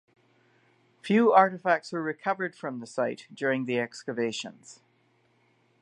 Few artifacts were recovered from the site during the excavations.